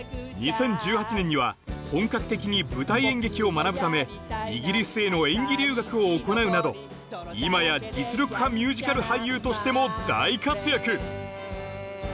２０１８年には本格的に舞台演劇を学ぶためイギリスへの演技留学を行うなど今や実力派ミュージカル俳優としても大活躍